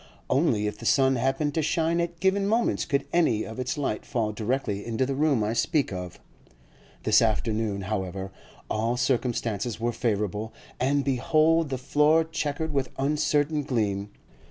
Only if the sun happened to shine at given moments could any of its light fall directly into the room I speak of; this afternoon, however, all circumstances were favourable, and behold the floor chequered with uncertain gleam.